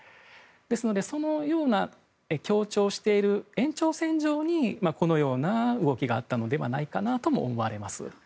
ですので、そのような強調している延長線上にこのような動きがあったのではないかなとも思われます。